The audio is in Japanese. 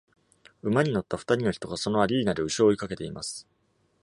馬に乗った二人の人がそのアリーナで牛を追いかけています。